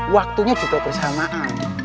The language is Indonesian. waktunya juga bersamaan